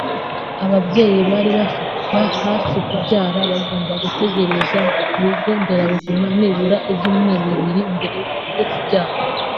Ababyeyi bari hafi kubyara bagomba gutegerereza ku bigo nderabuzima nibura ibyumweru bibiri mbere yo kubyara